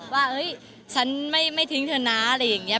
ว่าฉันไม่ทิ้งเธอนะอะไรอย่างนี้